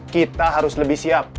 kita harus lebih siap